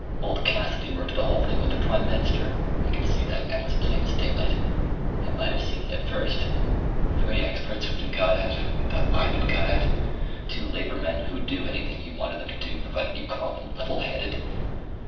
Old Cassidy worked the whole thing with the prime minister. I can see that now as plain as daylight. I might have seen it at first.... Three experts who'd been got at; they thought I'd been got at; two Labour men who'd do anything you wanted them to do provided you called them 'level headed.